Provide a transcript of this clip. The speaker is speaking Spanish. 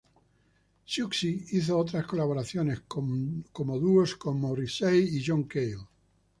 Siouxsie hizo otras colaboraciones, como dúos con Morrissey y John Cale.